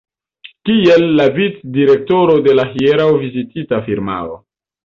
Kiel la vicdirektoro de la hodiaŭ vizitita firmao.